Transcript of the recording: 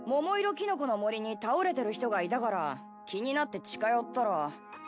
キノコの森に倒れてる人がいたから気になって近寄ったら。